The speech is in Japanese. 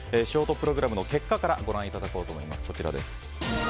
ショートプログラムの結果からご覧いただこうと思います。